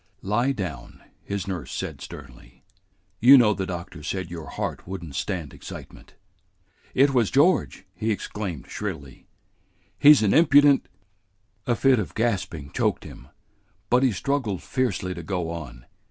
"Lie down," his nurse said sternly. "You know the doctor said your heart would n't stand excitement." "It was George!" he exclaimed shrilly. "He's an impudent " A fit of gasping choked him, but he struggled fiercely to go on.